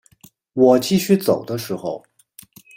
我继续走的时候